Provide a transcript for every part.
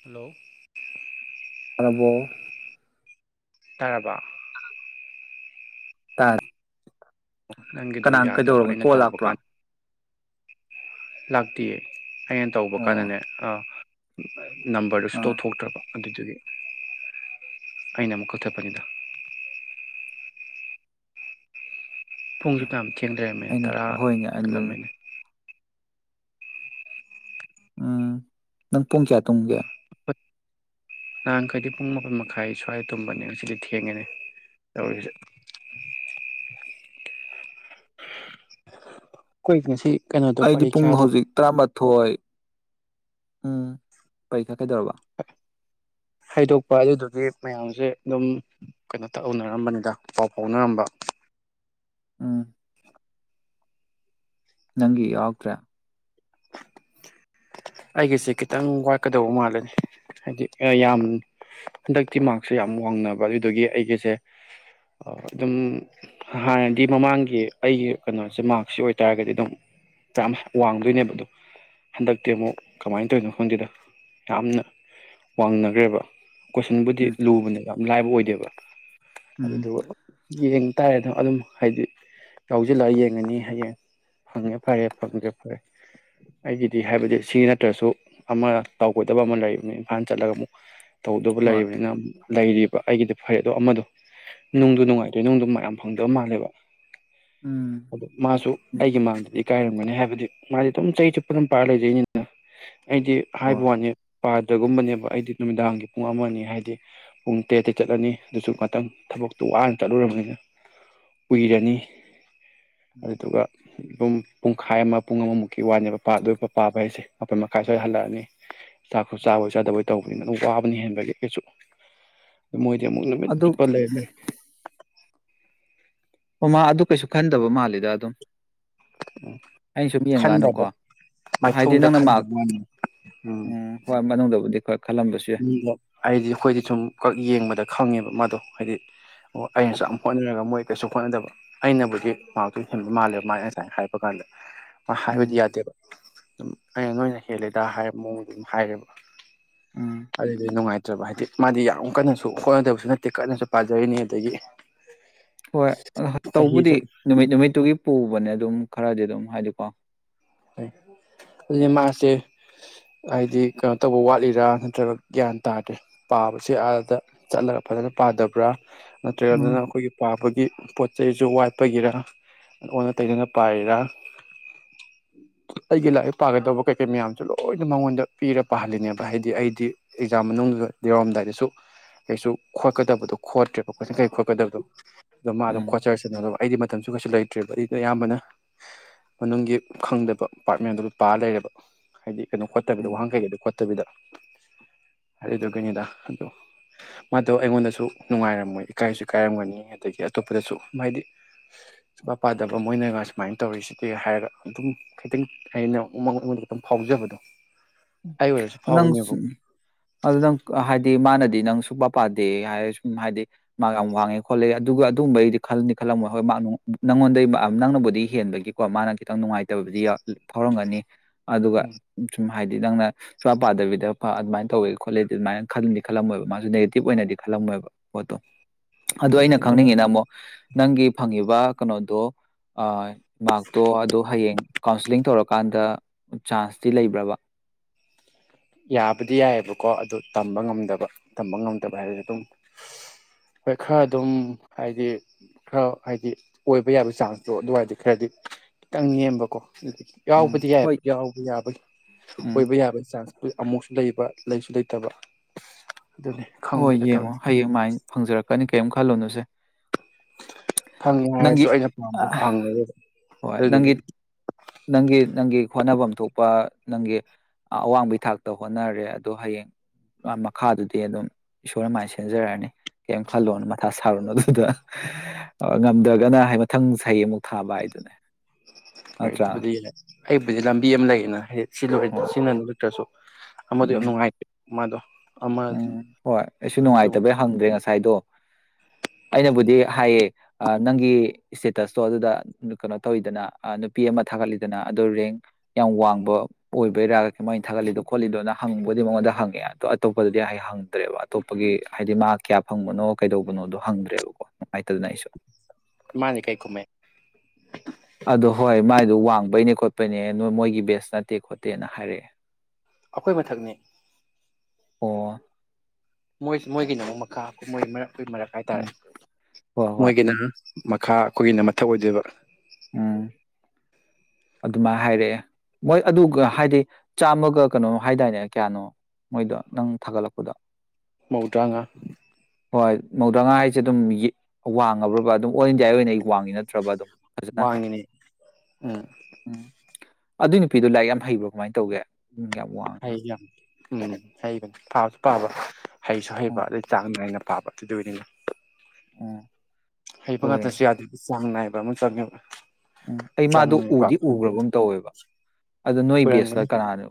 hello ꯔꯥꯕꯣ ꯇꯔꯕꯥ ꯇꯥ ꯑꯣ ꯅꯪꯒꯤꯗꯣ ꯌꯥꯗꯕ ꯑꯩꯅ ꯀꯣꯜ ꯇꯧꯕ ꯂꯥꯛꯄ꯭ꯔꯣ ꯀꯥꯟ ꯂꯥꯛꯇꯤꯌꯦ ꯑꯩꯅ ꯇꯧꯕ ꯑꯣ ꯀꯥꯟꯗꯅꯦ ꯑꯥ [inaudible] ꯅꯝꯕꯔꯗꯨ ꯁꯨꯊꯣꯛ ꯑꯥ ꯊꯣꯛꯇ꯭ꯔꯥꯕ ꯑꯗꯨꯗꯨꯒꯤ ꯑꯩꯅ ꯑꯃꯨꯛ ꯀꯛꯊꯠꯄꯅꯤꯗ ꯄꯨꯡꯁꯨ ꯇꯌꯥꯝ ꯊꯦꯡ ꯂꯩꯔꯝꯃꯦꯅꯦ ꯑꯩꯅ ꯇꯔꯥ ꯍꯣꯏꯅꯦ ꯑꯗꯨꯅ ꯍꯦꯜꯂꯝꯃꯦꯅꯦ ꯎꯝ ꯅꯪ ꯄꯨꯡ ꯀꯌꯥ ꯇꯨꯝꯒꯦ ꯍꯣꯏ ꯅꯍꯥꯟꯈꯩꯗꯤ ꯄꯨꯡ ꯃꯥꯄꯟ ꯃꯈꯥꯏ ꯁ꯭ꯋꯥꯏꯗ ꯇꯨꯝꯕꯅꯦ ꯉꯁꯤꯗꯤ ꯊꯦꯡꯉꯦꯅꯤ ꯇꯧꯔꯤꯁꯦ ꯈꯣꯏ ꯉꯁꯤ ꯀꯩꯅꯣꯗꯣ ꯑꯩꯗꯤ ꯄꯨꯡ ꯄꯔꯤꯈ꯭ꯌꯥꯗꯣ ꯍꯧꯖꯤꯛ ꯇꯔꯥꯃꯥꯊꯣꯏ ꯎꯝ ꯄꯔꯤꯈꯥ ꯀꯗꯧꯔꯕꯥ ꯍꯥꯏꯗꯣꯛꯄ ꯑꯗꯨꯗꯨꯒꯤ ꯃꯌꯥꯝꯁꯦ ꯑꯗꯨꯝ ꯀꯩꯅꯣ ꯇꯧꯍꯅꯔꯝꯕꯅꯤꯗ ꯄꯥꯎ ꯐꯥꯎꯅꯔꯝꯕ ꯑꯝ ꯅꯪꯒꯤ ꯌꯥꯎꯔꯛꯇ꯭ꯔꯦ ꯑꯩꯒꯤꯁꯦ ꯈꯤꯇꯪ ꯋꯥꯠꯀꯗꯧꯕ ꯃꯥꯜꯂꯅꯤ ꯍꯥꯏꯗꯤ ꯌꯥꯝ ꯍꯟꯗꯛꯇꯤ ꯃꯥꯔꯛꯁꯁꯦ ꯌꯥꯝ ꯋꯥꯡꯅꯕ ꯑꯗꯨꯗꯒꯤ ꯑꯩꯒꯤꯁꯦ ꯑꯗꯨꯝ ꯍꯥꯟꯅꯗꯤ ꯃꯃꯥꯡꯒꯤ ꯑꯩꯒꯤ ꯀꯩꯅꯣꯁꯦ ꯃꯥꯔꯛꯁꯁꯤ ꯑꯣꯏꯇꯥꯔꯒꯗꯤ ꯑꯗꯨꯝ ꯌꯥꯝꯌꯥꯝ ꯋꯥꯡꯗꯣꯏꯅꯦꯕ ꯑꯗꯨꯝ ꯍꯟꯗꯛꯇꯤ ꯑꯃꯨꯛ ꯀꯃꯥꯏꯅ ꯇꯧꯔꯤꯅꯣ ꯈꯪꯗꯦꯗ ꯌꯥꯝꯅ ꯋꯥꯡꯅꯈ꯭ꯔꯦꯕ ꯀꯣꯏꯁꯟꯕꯨꯗꯤ ꯎꯝ ꯂꯨꯕꯅꯦꯕ ꯂꯥꯏꯕ ꯑꯣꯏꯗꯦꯕ ꯎꯝ ꯑꯗꯨꯗꯨ ꯌꯦꯡ ꯍꯥꯏꯇꯥꯔꯦ ꯑꯗꯨ ꯑꯗꯨꯝ ꯍꯥꯏꯗꯤ ꯌꯥꯎꯁꯤꯜꯂꯛꯒ ꯌꯦꯡꯉꯅꯤ ꯍꯌꯦꯡ ꯐꯪꯉꯦ ꯐꯔꯦ ꯐꯪꯗꯦ ꯐꯔꯦ ꯑꯩꯒꯤꯗꯤ ꯍꯥꯏꯕꯗꯤ ꯁꯤ ꯅꯠꯇ꯭ꯔꯁꯨ ꯑꯃ ꯇꯧꯒꯣꯏꯗꯕ ꯑꯃ ꯂꯩꯅꯤ ꯏꯝꯐꯥꯜ ꯆꯠꯂꯒ ꯑꯃꯨꯛ ꯇꯧꯗꯕ ꯍꯣꯏ ꯂꯩꯕꯅꯤꯅ ꯂꯩꯔꯤꯕ ꯑꯩꯒꯤꯗꯤ ꯐꯔꯦꯗꯣ ꯑꯃꯗꯣ ꯅꯨꯡꯗꯣ ꯅꯨꯡꯉꯥꯏꯇꯣꯏ ꯅꯨꯡꯗꯣ ꯃꯌꯥꯝ ꯐꯪꯗꯕ ꯃꯥꯜꯂꯦꯕ ꯎꯝ ꯑ ꯃꯥꯁꯨ ꯎꯝ ꯑꯩꯒꯤ ꯃꯥꯡꯗꯗꯤ ꯀꯥꯏꯔꯝꯒꯅꯤ ꯍꯥꯏꯕꯗꯤ ꯃꯥꯗꯤ ꯑꯗꯨ ꯆꯍꯤ ꯆꯨꯞ ꯄꯥꯔ ꯂꯩꯗ‌ꯣꯢꯅꯤ ꯅ ꯑꯩꯗꯤ ꯍꯥꯏꯕ ꯍꯣꯏ ꯋꯥꯅꯤ ꯄꯥꯗ꯭ꯔꯒꯨꯝꯕꯅꯦꯕ ꯑꯩꯗꯤ ꯅꯨꯃꯤꯗꯥꯡꯒꯤ ꯄꯨꯡ ꯑꯃ‌ ꯑꯅꯤ ꯍꯥꯏꯗꯤ ꯄꯨꯡ ꯇꯔꯦꯠꯇ ꯆꯠꯂꯅꯤ ꯑꯗꯨꯁꯨ ꯉꯥꯛꯇꯪ ꯊꯕꯛꯇꯨ ꯋꯥꯅ ꯆꯠꯂꯨꯔꯕꯅꯤꯅ ꯎꯏꯔꯅꯤ ꯑꯗꯨꯒ ꯨꯄꯨꯡ ꯄꯨꯡꯈꯥꯏ ꯑꯃ ꯄꯨꯡ ꯑꯃꯃꯨꯛꯀꯤ ꯋꯥꯅꯦꯕ ꯄꯥꯗ‌ꯣꯏ ꯄꯥꯕ ꯍꯥꯏꯁꯦ ꯃꯥꯄꯟ ꯃꯈꯥꯏ ‌‌ꯑꯗ꯭ꯋꯥꯏꯗ ꯍꯜꯂꯛꯑꯅꯤ ꯆꯥꯛ ꯆꯥꯕꯣꯏ ꯆꯥꯗꯕꯣꯏ ꯇꯧꯕꯅꯤꯅ ꯑꯗꯨꯝ ꯋꯥꯕꯅꯤ ꯍꯦꯟꯕꯒꯤ ꯀꯩꯁꯨ ꯑꯗꯨ ꯅꯨꯃꯤꯠ ꯑꯗꯨ ꯆꯨꯞꯄ ꯂꯩꯅꯤ ꯑꯣꯃꯥ ꯑꯗꯨ ꯀꯩꯁꯨ ꯈꯟꯗꯕ ꯃꯥꯜꯂꯤꯗ ꯑꯗꯨꯝ ꯑ ꯁꯨꯝ ꯌꯦꯡꯀꯥꯟꯗꯀꯣ ꯈꯟꯗꯕ ꯍꯥꯏꯗꯤ ꯃꯥꯏꯊꯣꯡꯗ ꯅꯪꯅ ꯃꯥ ꯈꯟꯗꯕ ꯋꯥꯅꯤ ꯎꯝ ꯍꯣꯏ ꯃꯅꯨꯡꯗꯕꯨꯗꯤ ꯈꯔ ꯈꯜꯂꯝꯕꯁꯨ ꯌꯥꯏ ꯑꯩꯗꯤ ꯑꯩꯈꯣꯏꯗꯤ ꯁꯨꯝ ꯀ ꯌꯦꯡꯕꯗ ꯈꯪꯉꯦꯕ ꯑꯣ ꯍꯥꯏꯗꯤ ꯑꯣ ꯑꯩꯅꯁꯨ ꯍꯣꯠꯅꯔꯒ ꯃꯣꯏ ꯀꯩꯁꯨ ꯍꯣꯠꯅꯗꯕ ꯑꯩꯅꯕꯨꯗꯤ ꯃꯥꯛꯇꯨ ꯍꯦꯟꯕ ꯃꯥꯜꯂꯦꯕ ꯃꯥꯥꯏ ꯉꯁꯥꯏꯅ ꯍꯥꯏꯕ ꯀꯥꯟꯗ ꯑ ꯎꯝ ꯍꯥꯏꯥꯏꯗꯤ ꯌꯥꯗꯦꯕ ꯑꯗꯨꯝ ꯑꯩꯅ ꯅꯣꯏꯅ ꯍꯦꯜꯂꯦꯗ ꯍꯥꯏ ꯃꯑꯣꯡꯗ ꯑꯗꯨꯝ ꯍꯥꯏꯔꯦꯕ ꯎꯝ ꯑꯗꯨꯗꯤ ꯅꯨꯡꯉꯥꯏꯇ꯭ꯔꯕ ꯍꯥꯏꯗꯤ ꯃꯥꯗꯤ ꯌꯥꯝ ꯀꯟꯅꯁꯨ ꯍꯣꯠꯅꯗꯕꯁꯨ ꯅꯠꯇꯦ ꯀꯟꯅꯁꯨ ꯄꯥꯖꯔꯤꯅꯤ ꯑꯗꯒꯤ ꯍꯣꯏ ꯑ ꯇꯧꯕꯗꯤ ꯆꯍꯤꯁꯨ ꯅꯨꯃꯤꯠ ꯅꯨꯃꯤꯠꯇꯨꯒꯤ ꯄꯨꯕꯅꯦ ꯑꯗꯨꯝ ꯈꯔꯗꯤ ꯑꯗꯨꯝ ꯍꯥꯏꯗꯤꯀꯣ ꯑꯗꯨꯗꯤ ꯃꯥꯁꯦ ꯍꯥꯏꯗꯤ ꯀꯩꯅꯣ ꯇꯧꯕ ꯋꯥꯠꯂꯤꯔꯥ ꯅꯠꯇ꯭ꯔꯒ ꯒ꯭ꯌꯥꯟ ꯇꯥꯗ꯭ꯔꯦ ꯄꯥꯕꯁꯦ ꯑꯥꯗ ꯆꯠꯂꯒ ꯐꯖꯅ ꯄꯥꯗꯕ꯭ꯔꯥ ꯅꯠꯇ꯭ꯔꯒ ꯑꯗꯨꯅ ꯎꯝ ꯑꯩꯈꯣꯏꯒꯤ ꯄꯥꯕꯒꯤ ꯄꯣꯠ ꯆꯩꯁꯨ ꯋꯥꯠꯄꯒꯤꯔ ꯑꯣꯟꯅ ꯇꯩꯅꯅ ꯄꯥꯏꯔꯤꯔ ꯑꯩꯒꯤ ꯂꯥꯏꯔꯤꯛ ꯄꯥꯒꯗꯕ ꯀꯩꯀꯩ ꯃꯌꯥꯝꯁꯨ ꯂꯣꯏꯅ ꯃꯉꯣꯟꯗ ꯄꯤꯔ ꯄꯥꯍꯜꯂꯤꯅꯦꯕ ꯍꯥꯏꯗꯤ ꯑꯩꯗꯤ ꯑꯦꯛꯖꯥꯝ ꯃꯅꯨꯡꯗꯨ ꯌꯧꯔꯝꯗꯥꯏꯗꯁꯨ ꯀꯩꯁꯨ ꯈꯣꯠꯀꯗꯕꯗꯣ ꯈꯣꯠꯇ꯭ꯔꯦꯕ ꯀꯣꯏꯁꯟ ꯀꯩ ꯈꯣꯠꯀꯗꯕꯗꯣ ꯑꯗꯨ ꯃꯥ ꯑꯗꯨꯝ ꯎꯝ ꯈꯣꯆꯔꯁꯅꯣ ꯇꯧꯕ ꯑꯩꯗꯤ ꯃꯇꯝꯁꯨ ꯀꯩꯁꯨ ꯂꯩꯇ꯭ꯔꯦꯕ ꯑꯩꯩꯅ ꯑꯌꯥꯝꯕꯅ ꯃꯅꯨꯡꯒꯤ ꯈꯪꯗꯕ ꯄꯥꯔꯠ ꯃꯌꯥꯝꯗꯨ ꯄꯥꯔ ꯂꯩꯔꯕ ꯍꯥꯏꯗꯤ ꯀꯩꯅꯣ ꯈꯣꯠꯇꯕꯤꯗ ꯋꯥꯍꯪ ꯎꯝ ꯀꯩ ꯀꯩꯗꯣ ꯈꯣꯠ ꯐꯠꯇꯕꯤꯗ ꯍꯥꯏꯗꯤ ꯑꯗꯨꯒꯤꯅꯤꯗ ꯑꯗꯣ ꯃꯥꯗꯣ ꯑꯩꯉꯣꯟꯗꯁꯨ ꯅꯨꯡꯉꯥꯏꯔꯝꯃꯣꯏ ꯏꯀꯥꯏꯁꯨ ꯏ ꯀꯥꯏꯔꯝꯒꯅꯤ ꯑꯗꯒꯤ ꯑꯇꯣꯞꯄꯗꯁꯨ ꯍꯥꯏꯗꯤ ꯁꯨꯛꯄꯥ ꯄꯥꯗꯕ ꯃꯣꯏꯅꯒ ꯁꯨꯃꯥꯏꯅ ꯇꯧꯔꯤꯁꯤꯗꯤ ꯍꯥꯏꯔꯒ ꯑꯗꯨꯝ ꯈꯤꯇꯪ ꯑꯩꯅ ꯎꯃꯥꯡꯉꯗ ꯈꯤꯇꯪ ꯐꯥꯎꯖꯕꯗꯣ ꯑꯩ ꯑꯣꯏꯔꯁꯨ ꯅꯪ ꯐꯥꯎꯒꯅꯦꯕꯀꯣ ꯑꯗꯨ ꯅꯪ ꯍꯥꯏꯗꯤ ꯃꯥꯅꯗꯤ ꯍꯥꯏꯗꯤ ꯅꯪ ꯁ ꯄ ꯄꯥꯗꯦ ꯍꯥꯏ ꯁꯨꯝ ꯍꯥꯏꯗꯤ ꯃꯥ ꯌꯥꯝ ꯋꯥꯡꯉꯦ ꯈꯣꯠꯂꯛꯦ ꯑꯗꯨꯒ ꯑꯗꯨꯝꯕꯩꯗꯤ ꯈꯜꯅꯤ ꯈꯜꯂꯝꯕ ꯍꯣꯏ ꯅꯪꯉꯣꯟꯗꯩ ꯅꯪꯅꯕꯨꯗꯤ ꯍꯦꯟꯕꯒꯤꯀꯣ ꯃꯥꯅ ꯈꯤꯇꯪ ꯅꯨꯡꯉꯥꯏꯇꯕꯕꯨꯗꯤ ꯐꯥꯎꯔꯝꯒꯅꯤ ꯑꯗꯨꯒ ꯎꯝ ꯁꯨꯝꯃ ꯍꯥꯏꯗꯤ ꯅꯪꯅ ꯁꯨꯡꯄꯥ ꯄꯥꯗꯕꯤꯗ ꯑꯗꯨꯃꯥꯏꯅ ꯇꯧꯋꯦ ꯈꯣꯠꯂꯦꯗꯤ ꯑꯗꯨꯃꯥꯏꯅ ꯈꯜꯂꯝꯗꯤ ꯈꯜꯂꯝꯃꯣꯏꯕ ꯃꯥꯁꯨ ꯅꯦꯒꯦꯇꯤꯕ ꯑꯣꯏꯅꯗꯤ ꯈꯜꯂꯝꯃꯣꯏꯕ ꯄꯣꯠꯇꯣ ꯑꯗꯨꯣ ꯑꯩꯅ ꯑꯗꯨ ꯈꯪꯅꯤꯡꯉꯤꯅ ꯑꯃꯨꯛ ꯅꯪꯒꯤ ꯐꯪꯉꯤꯕ ꯀꯩꯅꯣꯗꯣ ꯑ ꯃꯥꯛꯇꯣ ꯑꯗꯣ ꯍꯌꯦꯡ ꯀꯥꯎꯟꯁꯤꯂꯤꯡ ꯇꯧꯔꯀꯥꯟꯗ ꯆꯥꯟꯁꯇꯤ ꯂꯩꯕ꯭ꯔꯕ ꯌꯥꯕꯨꯗꯤ ꯌꯥꯏꯌꯦꯕꯀꯣ ꯑꯗꯨ ꯇꯝꯕ ꯉꯝꯗꯕ ꯇꯝꯕ ꯉꯝꯗꯕ ꯍꯥꯏꯔꯁꯨ ꯑꯗꯨꯝ ꯍꯣꯏ ꯈꯔ ꯑꯗꯨꯝ ꯍꯥꯏꯗꯤ ꯈꯔ ꯍꯥꯏꯗꯤ ꯑꯣꯏꯕ ꯌꯥꯕ ꯆꯥꯟꯁꯇꯣ ꯑꯗꯨꯋꯥꯏꯗꯤ ꯈꯔꯗꯤ ꯈꯤꯇꯪ ꯅꯦꯝꯕꯀꯣ ꯑꯗꯨ ꯎꯝ ꯌꯥꯎꯕꯗꯤ ꯍꯣꯏ ꯌꯥꯏꯕ ꯌꯥꯎꯕ ꯌꯥꯕꯒꯤ ꯎꯝ ꯑꯣꯏꯕ ꯌꯥꯕꯒꯤ ꯆꯥꯡ ꯑꯃꯨꯛꯁꯨ ꯂꯩꯕ ꯂꯩꯁꯨ ꯂꯩꯇꯕ ꯑꯗꯨꯅꯤ ꯍꯣꯏ ꯈꯪꯗꯦꯗ ꯇꯧꯔꯤ ꯌꯦꯡꯉꯣ ꯍꯌꯦꯡ ꯃꯥꯏꯅ ꯐꯪꯖꯔꯛꯀꯅꯤ ꯀꯦꯝ ꯈꯂꯨꯅꯣ ꯁꯦ ꯐꯪꯉꯦ ꯍꯥꯏꯔꯁꯨ ꯑꯩꯅ ꯄꯥꯝꯖ ꯐꯪꯉꯔꯣꯏ ꯍꯣꯏ ꯑꯗꯨꯗꯨꯒꯤ ꯅꯪꯒꯤ ꯅꯪꯒꯤ ꯅꯪꯒꯤ ꯍꯣꯠꯅꯐꯝ ꯊꯣꯛꯄ ꯅꯪꯒꯤ ꯑꯋꯥꯡꯕꯩ ꯊꯥꯛꯇ ꯍꯣꯠꯅꯔꯦ ꯑꯗꯣ ꯍꯌꯦꯡ ꯃꯈꯥꯗꯨꯗꯤ ꯑꯗꯨꯝ ꯏꯁꯣꯔꯅ ꯃꯥꯏ ꯁꯦꯝꯖꯔꯛꯑꯅꯤ ꯀꯩꯝ ꯈꯜꯂꯣꯅ ꯃꯊꯥ ꯁꯥꯔꯨꯅꯨ ꯑꯗꯨꯗ ꯉꯝꯗ꯭ꯔꯒꯅ ꯍꯥꯏ ꯃꯊꯪ ꯆꯍꯤ ꯑꯃꯨꯛ ꯊꯥꯕ ꯍꯥꯏꯗꯨꯅꯦ ꯍꯣꯏ ꯅꯠꯇ꯭ꯔꯥ ꯑꯗꯨꯕꯨꯗꯤ ꯑꯩꯕꯨꯨꯗꯤ ꯂꯝꯕꯤ ꯑꯃ ꯂꯩꯗꯅ ꯍꯥꯏꯗꯤ ꯍꯣꯏ ꯁꯤꯟꯅ ꯑꯃꯗꯤꯗꯨ ꯌꯥꯝ ꯎꯝ ꯅꯨꯡꯉꯥꯏꯇꯦ ꯃꯥꯗꯣ ꯑꯃ ꯎꯝ ꯍꯣꯏ ꯑꯩꯁꯨ ꯅꯨꯡꯉꯥꯏꯇꯕꯩ ꯍꯪꯗ꯭ꯔꯦ ꯉꯁꯥꯏꯗꯣ ꯑꯩꯅꯕꯨꯗꯤ ꯍꯥꯏꯌꯦ ꯅꯪꯒꯤ ꯏꯁꯇꯦꯇꯁꯇꯣ ꯑꯗꯨꯗ ꯀꯩꯅꯣ ꯇꯧꯋꯤꯗꯅ ꯅꯨꯄꯤ ꯑꯃ ꯊꯥꯒꯠꯂꯤꯗꯅ ꯑꯗꯣ ꯔꯦꯡ ꯌꯥꯝ ꯋꯥꯡꯕ ꯑꯣꯏꯕꯩꯔꯥꯒ ꯀ ꯃꯅ ꯊꯥꯒꯠꯂꯤꯗꯣ ꯈꯣꯠꯂꯤꯗꯣ ꯅꯪ ꯍꯪꯅꯤꯡꯕꯕꯨꯗꯤ ꯃꯉꯣꯟꯗ ꯍꯪꯉꯦ ꯑꯗꯣ ꯑꯇꯣꯞꯄꯗꯗꯤ ꯑꯩ ꯍꯪꯗ꯭ꯔꯦꯕ ꯑꯇꯣꯞꯄꯒꯤ ꯍꯥꯏꯗꯤ ꯃꯥ ꯀꯌꯥ ꯐꯪꯕꯅꯣ ꯀꯩꯗꯧꯕꯅꯣꯗꯣ ꯍꯪꯗ꯭ꯔꯦꯕꯀꯣ ꯅꯨꯡꯉꯥꯏꯇꯗꯅ ꯑꯩꯁꯨ ꯃꯥꯅꯤ ꯀꯩ ꯀꯨꯝꯍꯩ ꯑꯗꯣ ꯍꯣꯏ ꯃꯥꯏꯗꯣ ꯋꯥꯡ ꯗꯩꯅꯦ ꯈꯣꯠꯄꯩꯅꯦ ꯅꯣꯏ ꯃꯣꯏꯒꯤ ꯕꯦꯁ ꯅꯠꯇꯦ ꯈꯣꯠꯇꯦꯅ ꯍꯥꯏꯔꯛꯑꯦ ꯑꯩꯈꯣꯏ ꯃꯊꯛꯅꯤ ꯑꯣ ꯃꯣꯏ ꯃꯣꯏꯒꯤꯅ ꯃꯨꯛ ꯃꯈꯥ ꯃꯣꯏ ꯃꯔꯛ ꯍꯥꯏꯇꯥꯔꯦ ꯎꯝ ꯍꯣꯏ ꯍꯣꯏ ꯃꯣꯏꯒꯤꯅ ꯃꯈꯥ ꯑꯩꯈꯣꯏꯒꯤꯅ ꯃꯊꯛ ꯑꯣꯏꯗꯣꯏꯕ ꯎꯝ ꯑꯗꯨꯃꯥꯏꯅ ꯍꯥꯏꯔꯛꯑꯦ ꯃꯣꯏ ꯑꯗꯨꯒ ꯍꯥꯏꯗꯤ ꯆꯥꯝꯃꯒ ꯀꯩꯅꯣ ꯍꯥꯏꯗꯥꯏꯅꯦ ꯀꯌꯥꯅꯣ ꯃꯣꯏꯗꯣ ꯅꯪ ꯊꯥꯒꯠꯂꯛꯄꯗꯣ ꯃꯧꯗ꯭ꯔꯥꯉꯥ ꯍꯣꯏ ꯃꯧꯗ꯭ꯔꯥ ꯃꯉꯥ ꯍꯥꯏꯁꯦ ꯑꯗꯨꯝ ꯋꯥꯡꯉꯕ꯭ꯔꯕ ꯑꯗꯨꯝ ꯑꯣꯜ ꯏꯟꯗꯤꯌꯥꯒꯤ ꯑꯣꯏꯅ ꯋꯥꯡꯉꯤ ꯅꯠꯇ꯭ꯔꯕ ꯑꯗꯨꯝ ꯐꯖꯅ ꯋꯥꯉꯤꯅ‌ꯦ ꯎꯝ ꯎꯝ ꯑꯗꯨꯏ ꯅꯨꯄꯤꯗꯣ ꯂꯥꯏꯔꯤꯛ ꯌꯥꯝ ꯍꯩꯕ꯭ꯔꯣ ꯀꯃꯥꯏꯅ ꯇꯧꯒꯦ ꯎꯝ ꯌꯥꯝ ꯋꯥꯡꯉꯦꯕ [unintelligible] ꯎꯝ ꯍꯩꯕꯅꯤ ꯊ ꯀꯥꯕ ꯍꯩꯁꯨ ꯍꯩꯕ ꯎꯝ ꯑꯗꯩ ꯆꯥꯡ ꯅꯥꯏꯅ ꯄꯥꯕ ꯑꯗꯨꯢ ꯗꯨꯢꯅꯤꯗ ꯎꯝ ꯍꯩꯕ ꯍꯣꯏ ꯉꯥꯛꯇꯁꯨ ꯌꯥꯗꯣ ꯢꯁ ꯆꯥꯡꯅꯥꯢꯕ ꯑꯃ ꯆꯪꯉꯦꯕ ꯎꯝ ꯑꯩ ꯆꯥꯡ ꯃꯥꯗꯣ ꯅꯥꯏꯕ ꯎꯗꯤ ꯎꯈ꯭ꯔꯕꯨꯝ ꯇꯧꯋꯦꯕ ꯑꯗ ꯅꯣꯏ ꯑꯣꯏꯔꯝꯒꯅꯤ ꯕꯦꯁꯂ ꯀꯅꯥꯅꯣ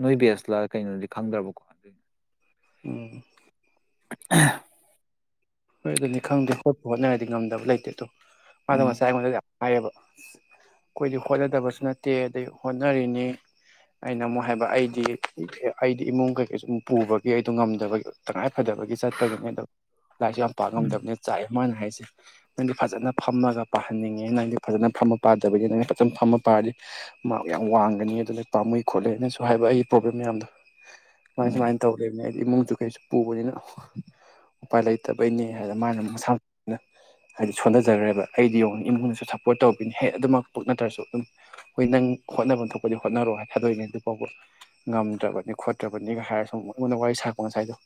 ꯅꯣꯏ ꯕꯦꯁꯂ ꯀꯩꯅꯣꯗꯤ ꯈꯪꯗ꯭ꯔꯕꯀꯣ ꯑꯗꯨꯒꯤꯅꯦ ꯎꯝ ꯑ ꯍꯣꯏ ꯑꯗꯨꯅꯤ ꯈꯪꯗꯦ ꯍꯣꯠꯄ ꯍꯣꯠꯅꯔꯗꯤ ꯉꯝꯗꯕ ꯂꯩꯇꯦ ꯑꯗꯣ ꯎꯝ ꯃꯥꯗꫭ ꯉꯁꯥꯏ ꯍꯥꯏꯌꯦꯕ ꯑꯩꯈꯣꯏꯗꯤ ꯍꯣꯠꯅꯗꯕꯁꯨ ꯅꯠꯇꯦ ꯑꯗꯩ ꯍꯣꯠꯅꯔꯤꯅꯤ ꯑꯩꯅ ꯑꯃꯨꯛ ꯍꯥꯏꯕ ꯑꯩꯗꯤ ꯑꯩꯗꯤ ꯏꯃꯨꯡ ꯀꯩꯀꯩꯁꯨ ꯄꯨꯕꯒꯤ ꯑꯩꯗꯣ ꯉꯝꯗꯕꯒꯤ ꯇꯉꯥꯏꯐꯗꯕꯒꯤ ꯆꯠꯄꯒꯤꯅꯦ ꯑꯗꯣ ꯂꯥꯢꯔꯤꯛꯁꯦ ꯌꯥꯝ ꯄꯥ ꯎꯝ ꯉꯝꯗꯕꯅꯤꯅ ꯆꯥꯛꯑꯦ ꯃꯥꯅ ꯍꯥꯏꯁꯦ ꯅꯪꯗꯤ ꯐꯖꯅ ꯐꯝꯃꯒ ꯄꯥꯍꯟꯅꯤꯡꯉꯦ ꯅꯪꯗꯤ ꯐꯖꯅ ꯐꯝꯃ ꯄꯥꯗꯕꯒꯤ ꯅꯪ ꯐꯖꯅ ꯐꯝꯃ ꯄꯥꯔꯗꯤ ꯃꯔꯥꯛ ꯌꯥꯝ ꯋꯥꯡꯒꯅꯤ ꯑꯗꯨꯅ ꯄꯥꯝꯃꯨꯏ ꯈꯣꯠꯂꯨ ꯑꯅꯁꯨ ꯍꯥꯏꯕ ꯑꯩꯒꯤ ꯄ꯭ꯔꯣꯕ꯭ꯂꯦꯝ ꯃꯌꯥꯝꯗꯣ ꯁꯨꯃꯥꯢ ꯁꯨꯃꯥꯏ ꯎꯝ ꯇꯧꯔꯤꯕꯅꯦ ꯍꯥꯏꯗꯤ ꯏꯃꯨꯡ ꯁꯨ ꯀꯩꯁꯨ ꯄꯨꯕꯅꯤꯅ ꯎꯄꯥꯏ ꯂꯩꯇꯕꯩꯅꯦ ꯍꯥꯏꯗꯅ ꯃꯥꯅ ꯑꯃꯨꯛ ꯃꯁꯅ ꯍꯥꯏꯗꯤ ꯁꯣꯟꯊꯖꯈ꯭ꯔꯦꯕ ꯑꯩꯗꯤ ꯌꯦꯡꯉꯤ ꯏꯃꯨꯡꯅꯁꯨ ꯁꯞꯄꯣꯔꯠ ꯇꯧꯕꯤꯅꯦ ꯍꯦꯛ ꯑꯗꯨꯃꯛ ꯄ ꯅꯠꯇ꯭ꯔꯁꯨ ꯑꯗꯨꯝ ꯍꯣꯏ ꯅꯪ ꯍꯣꯠꯅꯕ ꯊꯣꯛꯄꯗꯤ ꯍꯣꯠꯅꯔꯣ ꯍꯥꯏ ꯊꯥꯗꯣꯛꯏꯅꯦ ꯑꯗꯨ ꯐꯥꯎꯕ ꯉꯝꯗ꯭ꯔꯕꯅꯤ ꯈꯣꯠꯇ꯭ꯔꯕꯅꯤꯒ ꯍꯥꯏꯔꯁꯨ ꯑꯩꯉꯣꯟꯗ ꯋꯥꯔꯤ ꯁꯥꯔꯄ ꯉꯁꯥꯏꯗꯣ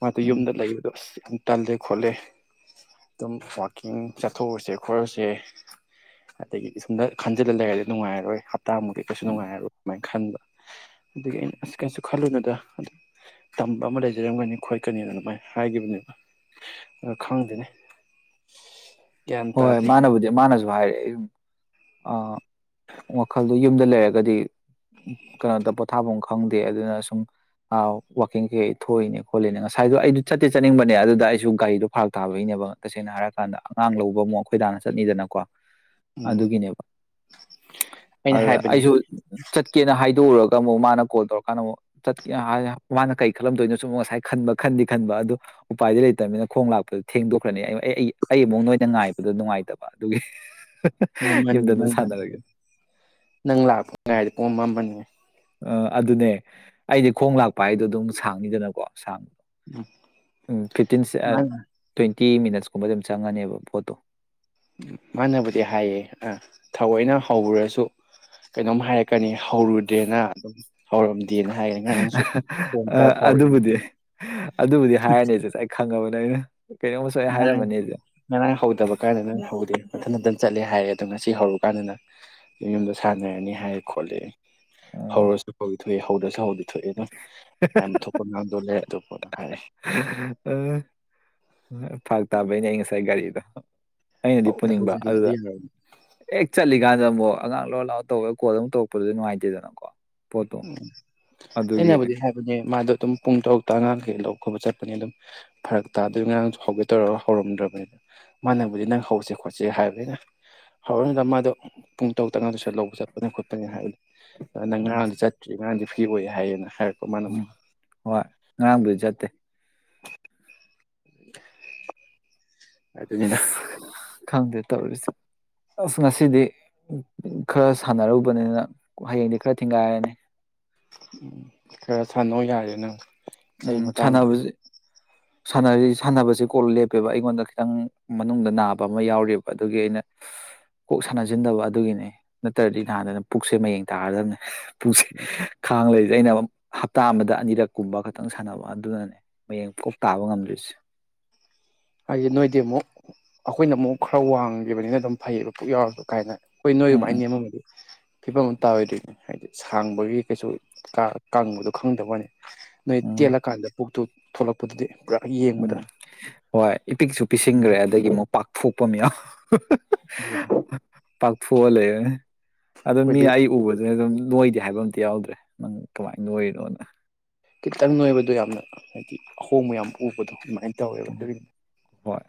ꯃꯥꯗꯣ ꯌꯨꯝꯗ ꯂꯩꯕꯗꯣ ꯑꯁ ꯁꯝ ꯇꯜꯂꯦ ꯈꯣꯠꯂꯦ ꯑꯗꯨꯝ ꯋꯥꯛꯀꯤꯡ ꯆꯠꯊꯣꯛꯔꯁꯦ ꯈꯣꯠꯂꯨꯁꯦ ꯑꯗꯒꯤ ꯁꯨꯝꯗ ꯈꯟꯖꯤꯜꯂ ꯂꯩꯔꯗꯤ ꯅꯨꯡꯉꯥꯏꯔꯔꯣꯏ ꯍꯞꯇꯥꯃꯨꯛꯇꯤ ꯀꯩꯁꯨ ꯎꯝ ꯅꯨꯡꯉꯥꯏꯔꯔꯣꯏ ꯑꯗꯨꯃꯥꯏꯅ ꯈꯟꯕ ꯑꯗꯒꯤ ꯑꯩꯅ ꯑꯁꯨ ꯀꯩꯁꯨ ꯈꯜꯂꯨꯅꯗ ꯑꯗꯨ ꯇꯝꯕ ꯑꯃ ꯂꯩꯖꯔꯝꯒꯅꯤ ꯈꯣꯠꯀꯅꯤꯅ ꯑꯗꯨꯃꯥꯏꯅ ꯍꯥꯏꯈꯤꯕꯅꯤ ꯈꯪꯗꯦꯅꯦ ꯒ꯭ꯌꯥꯟ ꯍꯣꯏ ꯇꯥꯗꯦ ꯃꯥꯅꯕꯨꯗꯤ ꯃꯥꯅꯁꯨ ꯍꯥꯏꯔꯑꯦ ꯑ ꯋꯥꯈꯜꯗꯣ ꯌꯨꯝꯗ ꯂꯩꯔꯒꯗꯤ ꯀꯩꯅꯣꯗ ꯄꯣꯊꯥꯐꯝ ꯈꯪꯗꯦ ꯑꯗꯨꯅ ꯁꯨꯝ ꯋꯥꯛꯀꯤꯡ ꯀꯩ ꯊꯣꯛꯏꯅꯦ ꯈꯣꯠꯂꯤꯅꯦ ꯉꯁꯥꯏꯗꯣ ꯑꯩꯗ ꯆꯠꯇꯦ ꯆꯠꯅꯤꯡꯕꯅꯦ ꯑꯗꯨꯗ ꯑꯩꯁꯨ ꯒꯥꯔꯤꯗꯣ ꯐꯔꯥꯛ ꯊꯥꯕꯏꯅꯦꯕ ꯇꯁꯦꯡꯅ ꯍꯥꯏꯔꯀꯥꯟꯗ ꯑꯉꯥꯡ ꯂꯧꯕ ꯑꯃꯨꯛ ꯑꯩꯈꯣꯏꯗꯥꯅ ꯆꯠꯅꯤꯗꯅꯀꯣ ꯎꯝ ꯑꯗꯨꯒꯤꯅꯦꯕ ꯑꯩꯅ ꯑꯗꯨ ꯍꯥꯏꯕꯅꯦ ꯑꯩꯁꯨ ꯆꯠꯀꯦꯅ ꯍꯥꯏꯗꯣꯛꯎꯔꯒ ꯑꯃꯨꯛ ꯃꯥꯅ ꯀꯣꯜ ꯇꯧꯔꯀꯥꯟꯗ ꯑꯃꯨꯛ ꯆꯠꯀ ꯍꯥꯏ ꯃꯥꯅ ꯀꯔꯤ ꯈꯜꯂꯝꯗꯣꯏꯅꯣꯁꯨ ꯑꯃꯨꯛ ꯉꯁꯥꯏ ꯈꯟꯕ ꯈꯟꯗꯤ ꯈꯟꯕ ꯑꯗꯨ ꯎꯄꯥꯏꯗꯤ ꯂꯩꯇꯕꯅꯤꯅ ꯈꯣꯡ ꯂꯥꯛꯄꯗ ꯊꯦꯡꯗꯣꯛꯈ꯭ꯔꯅꯤ ꯑꯩ ꯑꯩꯩ ꯑꯩ ꯑꯃꯨꯛ ꯅꯣꯏꯗ ꯉꯥꯏꯕꯗꯣ ꯅꯨꯡꯉꯥꯏꯇꯕ ꯑꯗꯨꯒꯤ ꯃꯃꯅꯤ ꯌꯨꯝꯗ ꯑꯗꯨꯝ ꯅꯪ ꯁꯥꯟꯅꯔꯒꯦ ꯅꯪ ꯂꯥꯛꯄ ꯉꯥꯏꯗꯤꯀꯣ ꯄꯨꯝꯃꯝ ꯃꯝꯃꯅꯤ ꯑ ꯑꯗꯨꯅꯦ ꯑꯩꯗꯤ ꯈꯣꯡ ꯂꯥꯛꯄ ꯍꯥꯏꯗꯣ ꯑꯗꯨꯝ ꯁꯥꯡꯅꯤꯗꯅꯀꯣ ꯁꯗ ꯎꯝ ꯐꯤꯞꯇꯤꯟꯁꯦ ꯃꯥꯅ ꯇ꯭ꯋꯦꯟ ꯇꯤ ꯃꯤꯅꯠꯁ ꯀꯨꯝꯕ ꯑꯗꯨꯝ ꯆꯪꯉꯅꯦꯕ ꯄꯣꯠꯇꯣ ꯃꯥꯅꯕꯨꯗꯤ ꯍꯥꯏꯌꯦ ꯑ ꯊꯑꯣꯏꯅ ꯍꯧꯔꯨꯔꯁꯨ ꯀꯩꯅꯣꯝ ꯍꯥꯏꯔꯛꯀꯅꯤ ꯍꯧꯔꯨꯗꯦꯅ ꯑꯗꯨꯝ ꯍꯧꯔꯝ ꯑ ꯐꯥꯎꯔꯛꯏ ꯑꯗꯨꯕꯨꯗꯤ ꯑꯗꯨꯕꯨꯗꯤ ꯍꯥꯏꯔꯅꯤ ꯑꯩ ꯈꯪꯉꯕꯅ‌ꯦ ꯑꯩꯅ ꯀꯩꯅꯣꯝꯃ ꯁꯣꯏ ꯅꯥꯏ ꯍꯥꯏꯔꯝꯃꯅꯤ ꯅꯅꯥꯥꯏ ꯍꯧꯗꯕ ꯀꯥꯏꯅ ꯅꯪꯥꯏ ꯍꯧꯗꯦ ꯃꯊꯟ ꯃꯊ ꯆꯠꯂꯦ ꯍꯥꯏꯔꯦ ꯑꯗꯣ ꯉꯁꯤ ꯍꯧꯔꯨꯀꯥꯟꯗ ꯌꯨꯝꯗ ꯁꯥꯟꯅꯔꯅꯤ ꯍꯥꯏꯔꯦ ꯈꯣꯠꯂꯦ ꯍꯧꯔꯁꯨ ꯀꯧ ꯍꯣꯏ ꯍꯧꯗ꯭ꯔꯁꯨ ꯍꯧꯗꯦ ꯊꯣꯛꯑꯅ ꯑꯝ ꯊꯣꯛꯄꯗ‌ꯣꯂꯦ [unintelligible] ꯍꯥꯏ ꯎ ꯐꯥꯛ ꯇꯥꯕꯩꯅꯦ ꯑꯩ ꯉꯁꯥꯏ ꯒꯥꯔꯤꯗꯣ ꯑꯩꯅꯗꯤ ꯍꯧꯅ ꯄꯨꯅꯤꯡꯕ ꯍꯧꯖꯤꯜꯂꯗꯤ ꯑꯗꯨꯗ ꯌꯥꯔꯣꯏ ꯍꯦꯛ ꯆꯠꯂꯤꯀꯥꯟꯗ ꯑꯃꯨꯛ ꯑꯉꯥꯡ ꯂꯣꯟ ꯂꯥꯛꯑꯣ ꯇꯧꯕꯒ ꯀꯣꯜ ꯑꯃꯨ ꯇꯧꯔꯛꯄꯗꯨꯗꯤ ꯅꯨꯡꯉꯥꯏꯇꯦꯗꯅꯀꯣ ꯄꯣꯠꯇꯣ ꯎꯝ ꯑꯗꯨꯒꯤ ꯑꯩꯅꯕꯨꯗꯤ ꯍꯥꯏꯕꯅꯦ ꯃꯥꯗꯣ ꯑꯗꯨꯝ ꯄꯨꯡ ꯇꯔꯨꯛ ꯍꯞꯇꯥ ꯑꯥꯡ ꯀꯩ ꯂꯧ ꯈꯣꯠꯄ ꯆꯠꯄꯅꯤ ꯑꯗꯨꯝ ꯐꯔꯛ ꯇꯥꯗꯣꯏꯒꯤ ꯑꯉꯥꯡꯁꯨ ꯍꯧꯒꯦ ꯇꯧꯔꯒ ꯍꯧꯔꯝꯗ꯭ꯔꯕꯅꯤꯗ ꯃꯥ ꯅꯪꯕꯨꯗꯤ ꯅꯪ ꯍꯧꯁꯦ ꯈꯣꯠꯁꯦ ꯍꯥꯏꯕꯅꯤꯅ ꯍꯧꯔꯅꯨꯗ ꯃꯥꯗꯣ ꯄꯨꯡ ꯇꯔꯨꯛꯇ ꯑꯉꯥꯡ ꯇꯨꯁꯟ ꯂꯧꯕ ꯆꯠꯄꯅ [unintelligible] ꯑ ꯅꯪ ꯎꯝ ꯉꯔꯥꯡ [unintelligible] ꯒꯥꯟꯗꯤ ꯐꯤ ꯑꯣꯏ ꯍꯥꯏꯌꯦꯅ ꯍꯥꯏ ꯎꯝ ꯍꯣꯏ ꯉꯔꯥꯡꯗꯨꯁꯨ ꯆꯠꯇꯦ [unintelligible] [unintelligible] ꯑꯗꯨꯅꯤꯗ ꯈꯪꯗꯦ ꯇꯧꯔꯤꯁꯦ ꯑꯁ ꯉꯁꯤꯗꯤ ꯈꯔ ꯁꯥꯟꯅꯔꯨꯕꯅꯤꯅ ꯍꯌꯦꯡꯗꯤ ꯈꯔ ꯊꯤꯡꯒꯥꯏꯔꯅꯤ ꯎꯝ ꯈꯔ ꯁꯥꯟꯅꯧ ꯌꯥꯔꯦ ꯅꯪ ꯆꯍꯤ ꯎꯝ ꯃꯇꯥꯡꯗꯨꯗ ꯁꯥꯟꯅꯕꯁꯦ ꯁꯥꯟꯅꯔꯤ ꯁꯥꯟꯅꯕꯁ‌ꯦ ꯀꯣꯛ ꯂꯦꯞꯄꯦꯕ ꯑꯩꯉꯣꯟꯗ ꯈꯤꯇꯪ ꯃꯅꯨꯡꯗ ꯅꯥꯕ ꯑꯃ ꯌꯥꯎꯔꯤꯌ‌ꯦꯕ ꯑꯗꯨꯒꯤ ꯑꯩꯅ ꯀꯣꯛ ꯁꯥꯟꯅꯁꯤꯟꯗꯕ ꯑꯗꯨꯒꯤꯅꯤ ꯅꯠꯇ꯭ꯔꯗꯤ ꯅꯍꯥꯟꯗꯅ ꯄꯨꯛꯁꯦ ꯃꯌꯦꯡ ꯇꯥꯒꯗꯕꯅꯦ ꯄꯨꯁꯦ ꯈꯥꯡ ꯂꯩ ꯗ ꯑꯩꯅ ꯍꯞꯇꯥ ꯑꯃꯗ ꯑꯅꯤꯔꯛ ꯀꯨꯝꯕ ꯈꯛꯇꯪ ꯁꯥꯟꯅꯕ ꯑꯗꯨꯅꯅꯦ ꯃꯌꯦꯡ ꯇꯥꯕ ꯉꯝꯗ꯭ꯔꯤꯁ‌ꯦ ꯍꯥꯏꯗꯤ ꯅꯣꯏꯗꯤ ꯑꯃꯨꯛ ꯑꯩꯈꯣꯏꯅ ꯑꯃꯨꯛ ꯈꯔ ꯋꯥꯡꯒꯤꯕꯅꯤꯅ ꯑꯗꯨꯝ ꯐꯩꯌꯦꯕ ꯄꯨꯛ ꯌꯥꯎꯁꯨ ꯀꯥꯏꯅ ꯍ‌ꯣꯢ ꯅ‌ꯣꯢ ꯎꯝ ꯑꯗꯨꯃꯥꯢ ꯎꯝ ꯅ‌ꯦꯃꯝꯃꯗꯤ ꯐꯤꯕꯝ ꯑꯃ ꯇꯥꯔꯣꯏꯗꯣꯏꯅꯦ ꯍꯥꯏꯗꯤ ꯁꯥꯡꯕꯒꯤ ꯀꯩꯁꯨ ꯀꯥ ꯀꯪꯕꯗꯣ ꯈꯪꯗꯕꯅꯤ ꯅ‌ꯣꯢ ꯎꯝ ꯇ‌ꯦꯜꯂꯀꯥꯟꯗ ꯄꯨꯛꯇ‌ꯣ ꯊꯣꯛꯂꯛꯄꯗꯨꯗꯤ ꯄꯨꯔꯥ ꯎꯝ ꯌꯦꯡꯕꯗ ꯍꯣꯏ ꯏꯄꯤꯛꯁꯨ ꯄꯤꯁꯤꯟꯈ꯭ꯔꯦ ꯑꯗꯒꯤ ꯑꯃꯨꯛ ꯄꯥꯛꯐꯣꯛꯄꯃꯤꯌꯥ ꯎꯝ [unintelligible] ꯄꯥꯛ ꯊꯣꯛꯑ ꯂꯩꯔꯅꯤ ꯑꯗ ꯃꯤ ꯑꯩ ꯎꯕꯗ ꯑꯗꯨꯗꯩ ꯑꯗꯨꯝ ꯅꯣꯏꯗꯦ ꯍꯥꯏꯕ ꯑꯝꯇ ꯌꯥꯎꯗ꯭ꯔꯦ ꯅꯪ ꯀꯃꯥꯏꯅ ꯅꯣꯏꯔꯤꯅꯣꯅ ꯈꯤꯇꯪ ꯅꯣꯏꯕꯗꯣ ꯌꯥꯝꯅ ꯍꯥꯏꯗꯤ ꯑꯍꯣꯡꯕ ꯌꯥꯝ ꯎꯕꯗꯣ ꯑꯗꯨꯃꯥꯏꯅ ꯇꯧꯋꯦꯕ ꯑꯗꯨꯒꯤ ꯍꯣꯏ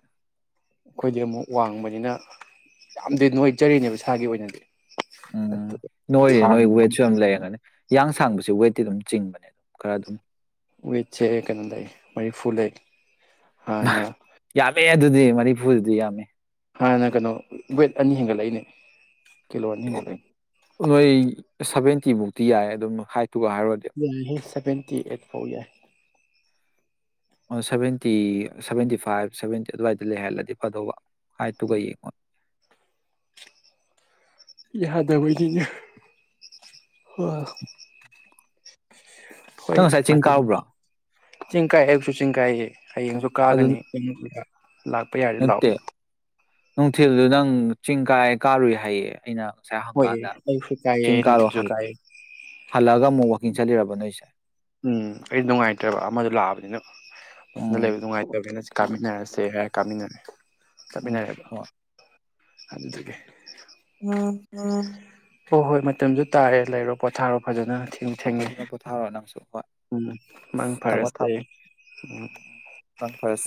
ꯑꯩꯈꯣꯏꯗꯤ ꯑꯃꯨꯛ ꯋꯥꯡꯕꯅꯤꯅ ꯌꯥꯝꯗꯤ ꯅꯨꯡꯣꯏꯖꯔꯤꯅꯦꯕ ꯁꯥꯒꯤ ꯑꯣꯏꯅꯗꯤ ꯎꯝ ꯑꯗꯨꯒ ꯅꯣꯏꯔ ꯊꯥꯡ ꯅꯣꯏ ꯋꯦꯠꯁꯨ ꯌꯥꯝ ꯂꯩꯔꯝꯒꯅꯤ ꯌꯥꯡ ꯁꯥꯡꯕꯁꯨ ꯋꯦꯠꯇꯤ ꯑꯗꯨꯝ ꯆꯤꯡꯕꯅꯦ ꯈ ꯑꯗꯨꯝ ꯋꯦꯠꯁꯦ ꯀꯩꯅꯗ ꯃꯔꯤꯐꯨ ꯂꯩ ꯍꯥꯟꯅ ꯌꯥꯃꯦ ꯑꯗꯨ ꯑ‌ꯦ ꯃꯔꯤꯐꯨꯗꯨꯗꯤ ꯌꯥꯝꯃꯤ ꯍꯥꯟꯅ ꯀꯩꯅꯣ ꯋꯦꯠ ꯑꯅꯤ ꯍꯦꯟꯒꯠꯂꯛꯏꯅꯦ ꯀꯤꯂꯣ ꯑꯅꯤ ꯍꯦꯟꯒꯠꯂꯛꯏꯅꯦ ꯅꯣꯏ ꯁꯚꯦꯟꯇꯤ ꯃꯨꯛꯇꯤ ꯌꯥꯏꯌꯦ ꯑꯗꯨꯝ ꯍꯥꯏ ꯁꯦꯚꯦꯟꯇꯤ ꯑꯦꯠ ꯐꯥꯎ ꯌꯥꯏ ꯁꯚꯦꯟꯇꯤ ꯁꯚꯦꯟꯇꯤ ꯐꯥꯏꯚ ꯁꯚꯦꯟꯇꯤ ꯑꯗꯨꯋꯥꯏꯗ ꯂꯩꯍꯜꯂꯗꯤ ꯐꯗꯧꯕ ꯍꯥꯏꯠꯇꯨꯒ ꯌꯦꯡꯉꯨ ꯌꯥꯗꯕꯅꯤꯅ ꯍꯣꯏ ꯍꯣꯏ ꯅꯪ ꯉꯁꯥꯏ ꯆꯤꯡ ꯀꯥꯔꯨꯕ꯭ꯔꯣ [unintelligible] ꯆꯤꯡ ꯀꯥꯏ ꯑꯌꯨꯛꯁꯨ ꯆꯤꯡ ꯀꯥꯏꯌꯦ ꯍꯌꯦꯡꯁꯨ ꯑꯗꯨ ꯀꯥꯒꯅꯤ ꯂꯥꯛꯄ ꯌꯥꯔꯦ ꯅꯠꯇꯦ ꯂꯥꯛꯑꯣ ꯅꯨꯡꯊꯤꯜꯗꯨ ꯅꯪ ꯆꯤꯡ ꯀꯥꯏ ꯀꯥꯔꯨꯏ ꯍꯥꯏꯌꯦ ꯑꯩꯅ ꯉꯁꯥꯏ ꯍꯣꯏ ꯍꯪꯀꯥꯟꯗ ꯑꯌꯨꯛꯁꯨ ꯀꯥꯏꯌꯦ ꯆꯤꯡ ꯀꯥꯔꯨ ꯅꯨꯡꯊꯤꯜꯁꯨ ꯀꯥꯏꯌꯦ ꯍꯜꯂꯛꯑꯒ ꯑꯃꯨꯛ ꯋꯥꯀꯤꯡ ꯆꯠꯂꯤꯔꯕ ꯅꯣꯏꯁꯦ ꯎꯝ ꯑꯩ ꯅꯨꯡꯉꯥꯏꯇ꯭ꯔꯕ ꯑꯃꯗ ꯂꯥꯛꯑꯕꯅꯤꯅ ꯃꯊꯟꯗ ꯎꯝ ꯂꯩꯕ ꯅꯨꯡꯉꯥꯏꯇꯕꯅꯤꯅ ꯀꯥꯃꯤꯟꯅꯔꯁꯦ ꯍꯥꯏꯔ ꯀꯥꯃꯤꯟꯅꯔꯦ ꯎꯝ ꯆꯠꯃꯤꯟꯅꯔ‌ꯦꯗꯅ ꯍꯣꯏ ꯑꯗꯨꯒꯤ ꯍꯣꯏ ꯍꯣꯏ ꯃꯇꯝꯁꯨ ꯇꯥꯔꯦ ꯂꯩꯔꯣ ꯄꯣꯊꯥꯔꯣ ꯐꯖꯅ ꯊꯦꯡꯁꯨ ꯊꯦꯡꯉꯦ ꯐꯖꯅ ꯄꯣꯊꯥꯔꯑꯣ ꯅꯪ ꯎꯝ ꯃꯪ ꯊꯝꯃꯣ ꯐꯔꯁꯦ ꯅꯪ ꯐꯔꯁꯦ